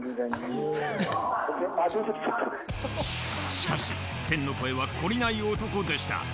しかし天の声は懲りない男でした。